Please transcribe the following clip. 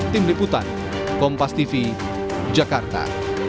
tim liputan kompastv jakarta